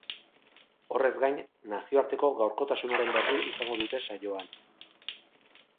Horrez gain, nazioarteko gaurkotasunaren berri izango dute saioan.